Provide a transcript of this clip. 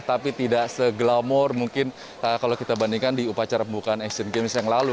tapi tidak seglamor mungkin kalau kita bandingkan di upacara pembukaan asian games yang lalu